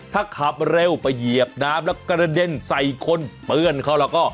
ถ้าขับเร็วไปเหยียบน้ำแล้วกระเด็นใส่คนเปื้อนเขาแล้วก็